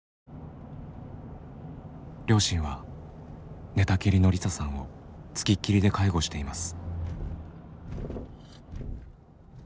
両親は寝たきりの梨沙さんを付きっきりで介護しています。